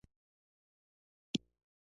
د کلام د علم تالیفات لاس په لاس شول.